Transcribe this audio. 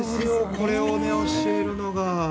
これを教えるのが。